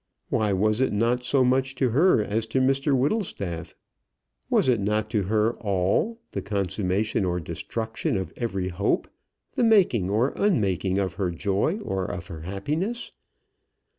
Why was it not so much to her as to Mr Whittlestaff? Was it not her all; the consummation or destruction of every hope; the making or unmaking of her joy or of her happiness?